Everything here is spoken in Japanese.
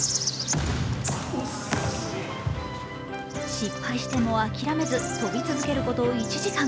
失敗しても諦めず、跳び続けること１時間。